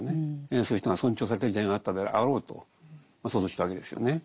そういう人が尊重された時代があったであろうと想像したわけですよね。